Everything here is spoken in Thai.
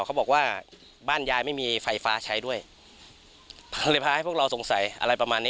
คือนยายศพ